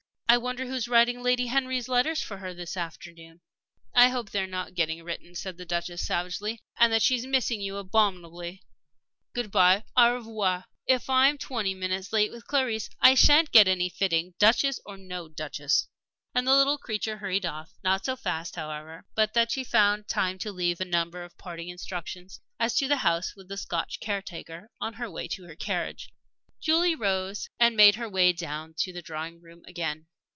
I wonder who is writing Lady Henry's letters for her this afternoon?" "I hope they are not getting written," said the Duchess, savagely; "and that she's missing you abominably. Good bye au revoir! If I am twenty minutes late with Clarisse, I sha'n't get any fitting, duchess or no duchess." And the little creature hurried off; not so fast, however, but that she found time to leave a number of parting instructions as to the house with the Scotch caretaker, on her way to her carriage. Julie rose and made her way down to the drawing room again.